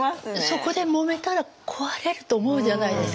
そこでもめたら壊れると思うじゃないですか。